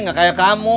nggak kayak kamu